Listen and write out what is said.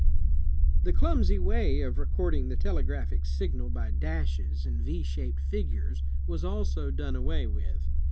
The cliunsy way of recording the telegraphic signal by dashes and V shaped figures was also done away with.